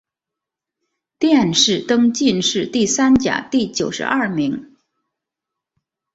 殿试登进士第三甲第九十二名。